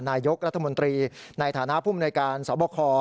นายยกรัฐมนตรีในฐานะผู้มนุยการสวบค